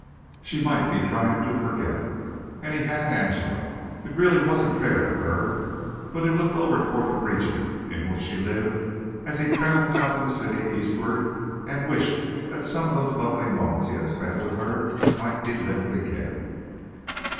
She might be trying to forget. And he had Angela. It really wasn't fair to her. But he looked over toward the region in which she lived, as he travelled out of the city eastward and wished that some of those lovely moments he had spent with her might be lived again.